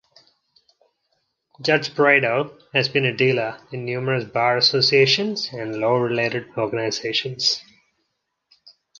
Judge Prado has been a leader in numerous bar associations and law-related organizations.